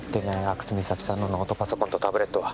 阿久津実咲さんのノートパソコンとタブレットは？